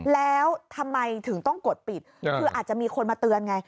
แล้วทำไมถึงต้องกดปิดคืออาจจะมีคนมาเตือนไง